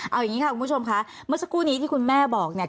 เอาอย่างนี้ค่ะคุณผู้ชมค่ะเมื่อสักครู่นี้ที่คุณแม่บอกเนี่ย